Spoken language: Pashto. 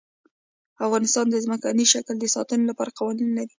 افغانستان د ځمکنی شکل د ساتنې لپاره قوانین لري.